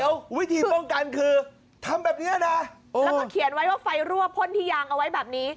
แล้ววิธีป้องกันคือทำแบบนี้นะแล้วก็เขียนไว้ว่าไฟรั่วพ่นที่ยางเอาไว้แบบนี้